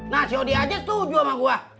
nah si odi aja setuju sama gua